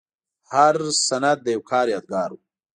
هر سند د یو کار یادګار و.